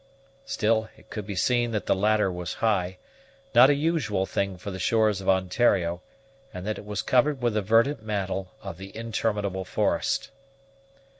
Still it could be seen that the latter was high, not a usual thing for the shores of Ontario, and that it was covered with the verdant mantle of the interminable forest.